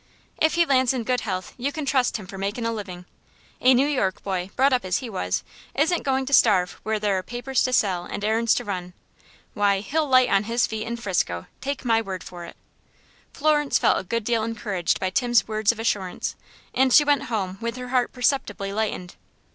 "If he lands in good health you can trust him for makin' a livin'. A New York boy, brought up as he was, isn't goin' to starve where there are papers to sell and errands to run. Why, he'll light on his feet in 'Frisco, take my word for it." Florence felt a good deal encouraged by Tim's words of assurance, and she went home with her heart perceptibly lightened.